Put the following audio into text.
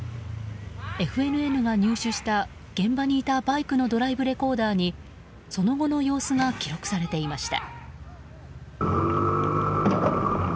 ＦＮＮが入手した、現場にいたバイクのドライブレコーダーにその後の様子が記録されていました。